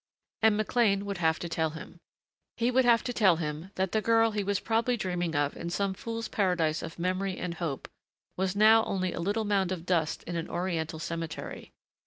And McLean would have to tell him. He would have to tell him that the girl he was probably dreaming of in some fool's paradise of memory and hope was now only a little mound of dust in an Oriental cemetery.